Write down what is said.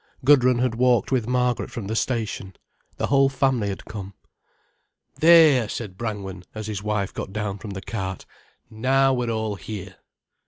Gudrun had walked with Margaret from the station. The whole family had come. "There!" said Brangwen, as his wife got down from the cart: "Now we're all here."